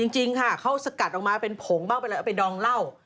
จริงค่ะเขาสกัดออกมาเป็นผงบ้างไปเลยเอาไปดองเหล้า